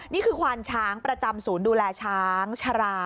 นี่คือควานช้างประจำศูนย์ดูแลช้างชารา